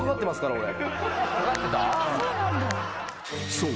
［そう。